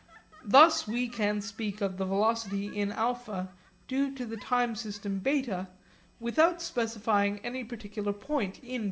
Thus we can speak of the velocity in α due to the time system β without specifying any particular point in β.